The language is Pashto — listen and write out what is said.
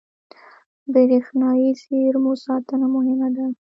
• د برېښنايي زېرمو ساتنه مهمه ده.